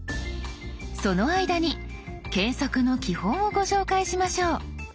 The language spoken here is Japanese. その間に検索の基本をご紹介しましょう。